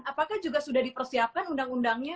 apakah juga sudah dipersiapkan undang undangnya